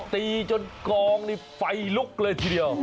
ตีจนกองนี่ไฟลุกเลยทีเดียว